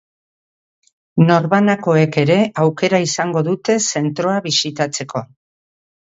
Norbanakoek ere aukera izango dute zentroa bisitatzeko.